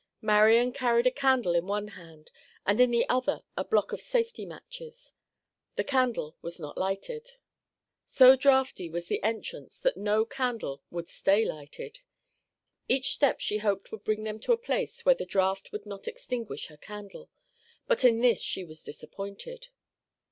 Marian carried a candle in one hand, and in the other a block of safety matches. The candle was not lighted. So drafty was the entrance that no candle would stay lighted. Each step she hoped would bring them to a place where the draft would not extinguish her candle. But in this she was disappointed.